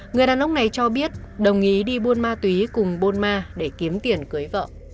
người đàn ông này cho biết đồng ý đi buôn ma túy cùng bôn ma để kiếm tiền cưới vợ